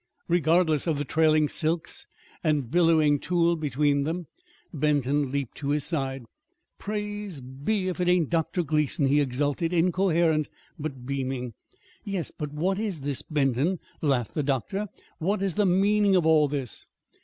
Regardless of the trailing silks and billowing tulle between them, Benton leaped to his side. "Praise be, if it ain't Dr. Gleason!" he exulted, incoherent, but beaming. "Yes; but what is this, Benton?" laughed the doctor. "What is the meaning of all this?"